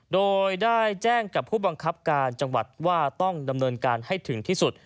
โดยได้แจ้งกับผู้บังคับการจังหวัดว่าต้องดำเนินการให้ถึงที่สุด